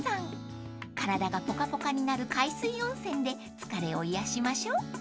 ［体がポカポカになる海水温泉で疲れを癒やしましょう］